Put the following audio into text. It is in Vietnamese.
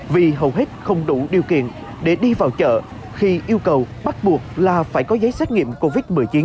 vì hầu hết không đủ điều kiện để đi vào chợ khi yêu cầu bắt buộc là phải có giấy xét nghiệm covid một mươi chín